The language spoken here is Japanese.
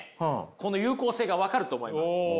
この有効性が分かると思います。